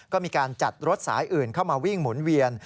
ก็มีการจัดรถสายอื่นเข้ามาวิ่งหมุนเวียน